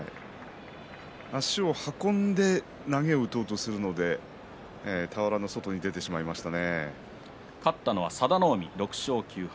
足を運んで投げを打とうとするので勝ったのは佐田の海６勝９敗。